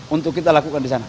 untuk kita lakukan di sana